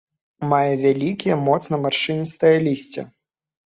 Мае вялікія моцна маршчыністае лісце.